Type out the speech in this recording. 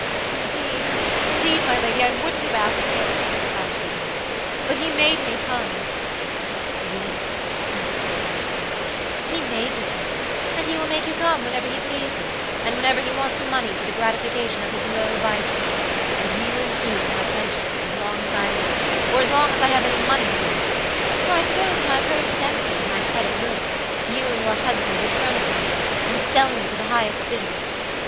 "Indeed, indeed, my lady, I wouldn't have asked it," sobbed Phoebe Marks, "but he made me come." "Yes," answered my lady, bitterly, "he made you come; and he will make you come whenever he pleases, and whenever he wants money for the gratification of his low vices; and you and he are my pensioners as long as I live, or as long as I have any money to give; for I suppose when my purse is empty and my credit ruined, you and your husband will turn upon me and sell me to the highest bidder.